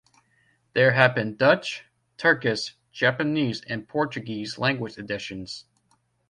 There have been Dutch, Turkish, Japanese and Portuguese language editions.